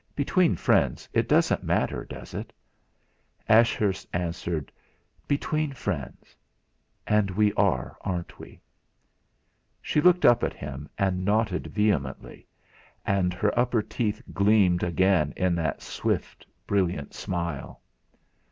Between friends it doesn't matter, does it?" Ashurst answered: "Between friends and we are, aren't we?" She looked up at him, nodded vehemently, and her upper teeth gleamed again in that swift, brilliant smile.